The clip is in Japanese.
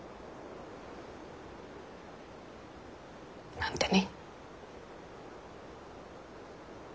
なんてね。